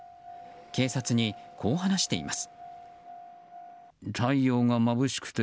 警察にこう話しています。